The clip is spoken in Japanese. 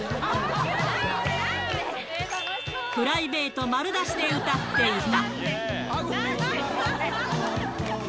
プライベート丸出しで歌っていた。